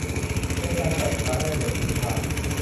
เป็นการจัดครั้งแรกในภูมิภาค